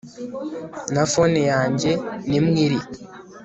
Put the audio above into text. na phone yanjye nimwo iri